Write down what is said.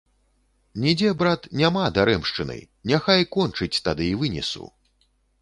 Нідзе, брат, няма дарэмшчыны, няхай кончыць, тады і вынесу.